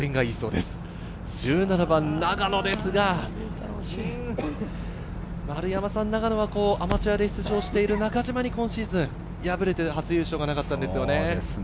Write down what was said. １７番、永野ですが、永野はアマチュアで出場している中島に今シーズン敗れて初優勝がなかったんですよね。